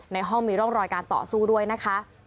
ในห้องมีร่องรอยการต่อสู้ด้วยนะคะ